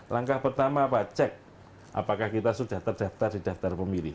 langkah pertama apa cek apakah kita sudah terdaftar di daftar pemilih